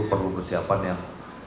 perlu persiapan yang